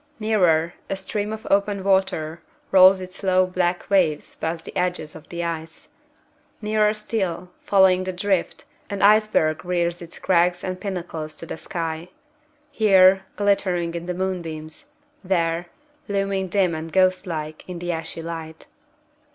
Nearer, a stream of open water rolls its slow black waves past the edges of the ice. Nearer still, following the drift, an iceberg rears its crags and pinnacles to the sky; here, glittering in the moonbeams; there, looming dim and ghost like in the ashy light.